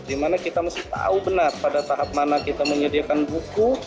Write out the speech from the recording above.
dimana kita mesti tahu benar pada tahap mana kita menyediakan buku